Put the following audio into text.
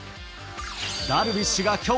ダルビッシュがきょう、